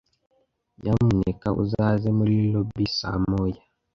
Nyamuneka uzaze muri lobby saa moya.